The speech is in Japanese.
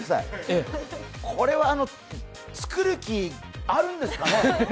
これは造る気あるんですかね、